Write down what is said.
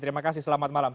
terima kasih selamat malam